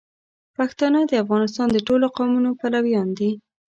پښتانه د افغانستان د ټولو قومونو پلویان دي.